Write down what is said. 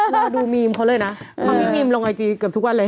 หนากดูเมมเขาเลยนะพอพี่เมมลงไอจีเกือบทุกวันเลย